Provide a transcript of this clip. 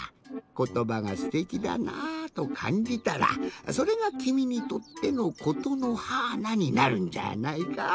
「ことばがすてきだなあ」とかんじたらそれがきみにとっての「ことのはーな」になるんじゃあないか。